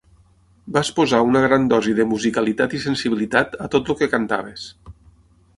Vas posar una gran dosi de musicalitat i sensibilitat a tot el que cantaves.